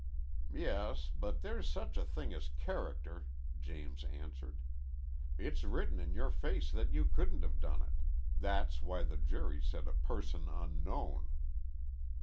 "Yes, but there's such a thing as character," James answered. "It's written in your face that you couldn't have done it. That's why the jury said a person unknown."